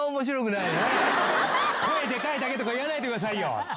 声でかいだけとか言わないでくださいよ。